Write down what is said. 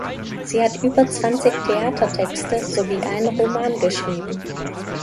Sie hat über zwanzig Theatertexte sowie einen Roman geschrieben.